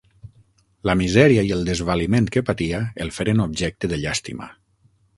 La misèria i el desvaliment que patia el feren objecte de llàstima.